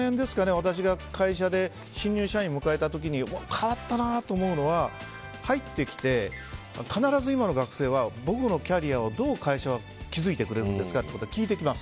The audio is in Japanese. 私が会社で新入社員を迎えた時に変わったなと思うのは入ってきて必ず今の学生は僕のキャリアをどう会社は築いてくれるんですかって聞いてきます。